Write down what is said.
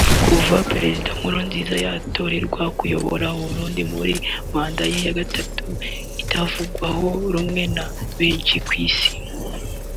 Kuva Perezida Nkurunziza yatorerwa kuyobora u Burundi muri manda ya gatatu itavugwaho rumwe na benshi kwisi